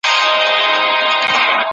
اوبه مه ککړوئ.